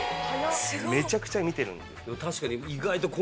確かに。